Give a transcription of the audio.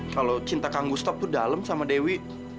kalau cinta kang gustaf tuh dalam sama dewi